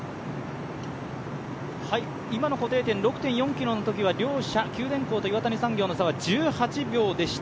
今の固定点、６．４ｋｍのときは両者、九電工と岩谷産業の差は１８秒でした。